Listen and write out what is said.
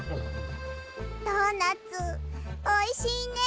ドーナツおいしいね。